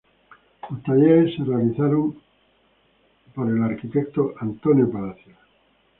Los talleres fueron realizados por el arquitecto Antonio Palacios.